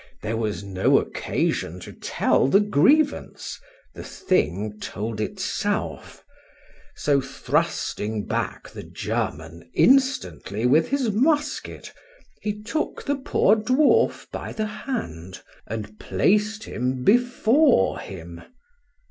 —There was no occasion to tell the grievance,—the thing told himself; so thrusting back the German instantly with his musket,—he took the poor dwarf by the hand, and placed him before him.